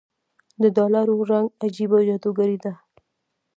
دډالرو رنګ عجيبه جادوګر دی